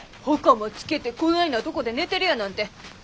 はかまつけてこないなとこで寝てるやなんて